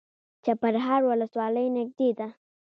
چپرهار ولسوالۍ نږدې ده؟